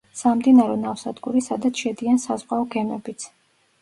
სამდინარო ნავსადგური, სადაც შედიან საზღვაო გემებიც.